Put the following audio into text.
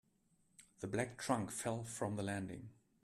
The black trunk fell from the landing.